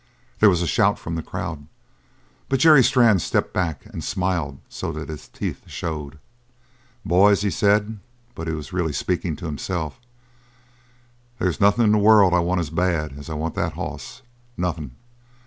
There was a shout from the crowd, but Jerry Strann stepped back and smiled so that his teeth showed. "Boys," he said, but he was really speaking to himself, "there's nothing in the world I want as bad as I want that hoss. Nothing!